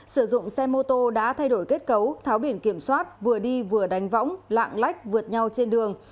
sử dụng xe mô tô đã thay đổi kết cấu tháo biển kiểm soát vừa đi vừa đánh võng lạng lách vượt nhau trên đường